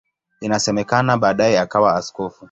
Inasemekana baadaye akawa askofu.